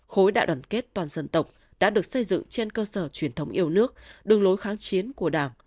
khối đại đoàn kết toàn dân tộc đã được xây dựng trên cơ sở truyền thống yêu nước đường lối kháng chiến của đảng